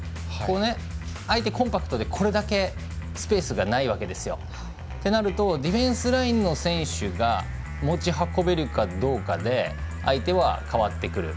相手、コンパクトでこれだけスペースがないんですよ。となるとディフェンスラインの選手が持ち運べるかどうかで相手は変わってくる。